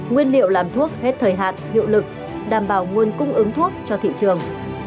nguyên liệu làm thuốc hết thời hạn hiệu lực đảm bảo nguồn cung ứng thuốc cho thị trường